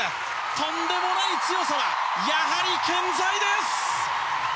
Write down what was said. とんでもない強さはやはり健在です！